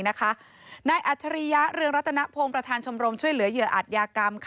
อัจฉริยะเรืองรัตนพงศ์ประธานชมรมช่วยเหลือเหยื่ออาจยากรรม